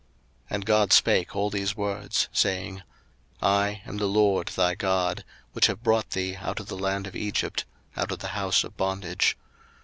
02:020:001 And God spake all these words, saying, 02:020:002 I am the LORD thy God, which have brought thee out of the land of Egypt, out of the house of bondage.